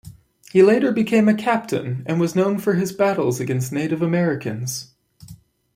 He later became a captain and was known for his battles against Native Americans.